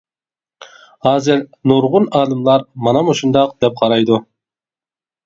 ھازىر نۇرغۇن ئالىملار مانا مۇشۇنداق دەپ قارايدۇ.